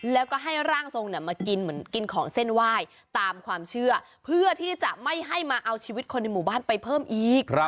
แล้วก็ให้ร่างทรงมากินเหมือนกินของเส้นไหว้ตามความเชื่อเพื่อที่จะไม่ให้มาเอาชีวิตคนในหมู่บ้านไปเพิ่มอีก